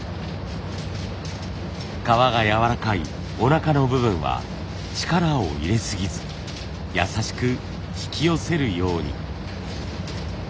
革がやわらかいおなかの部分は力を入れすぎずやさしく引き寄せるように。